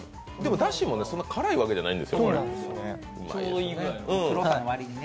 だしもそんなに辛いわけじゃないんですよ。